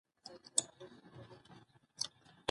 ژباړونکې د کیسو پر مهال ژړلې ده.